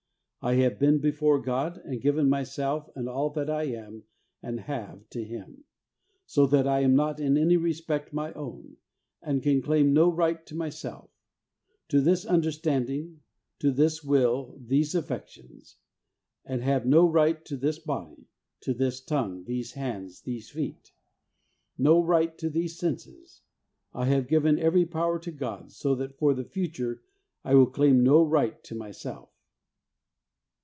I have been before God, and given myself and all that I am and have to Him, so that I am not in any respect my own, and can claim no right to myself — to this understanding, to this will, these affections ; and have no right to this body — to this tongue, these hands, these feet ; no right to these senses. I have given every power to God, so that for the future I will claim no right to myself.